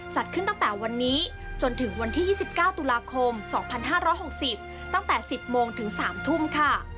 จัดขึ้นตั้งแต่วันนี้จนถึงวันที่๒๙ตุลาคม๒๕๖๐ตั้งแต่๑๐โมงถึง๓ทุ่มค่ะ